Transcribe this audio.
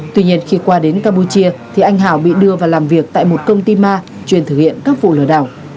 tuy nhiên khi qua đến campuchia thì anh hảo bị đưa vào làm việc tại một công ty ma truyền thực hiện các vụ lừa đảo